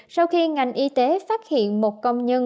sau khi ngành y tế phát hiện một công nhân